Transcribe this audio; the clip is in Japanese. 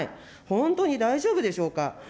本当に大丈夫でしょうか。